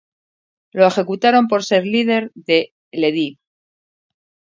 Lo ejecutaron por ser el líder del Lehi.